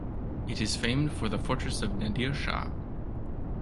It is famed for the fortress of Nadir Shah.